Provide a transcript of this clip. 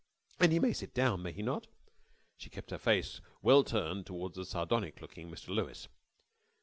"And he may sit down, may he not?" She kept her face well turned towards the sardonic looking Mr. Lewes.